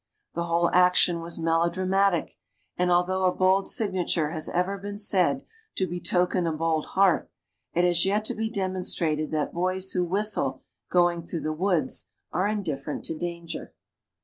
The whole action was melodramatic, and although a bold signature has ever been said to betoken a bold heart, it has yet to be demonstrated that boys who whistle going through the woods are indifferent to danger.